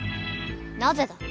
なぜだ？